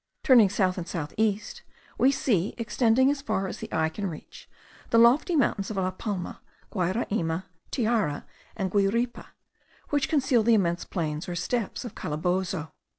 Turning south and south east, we see, extending as far as the eye can reach, the lofty mountains of La Palma, Guayraima, Tiara, and Guiripa, which conceal the immense plains or steppes of Calabozo.